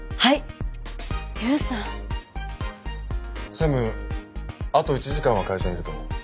専務あと１時間は会社にいると思う。